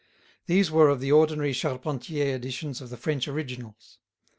These were of the ordinary Charpentier editions of the French originals.